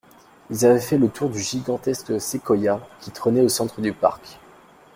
Ils avaient fait le tour du gigantesque séquoia qui trônait au centre du parc.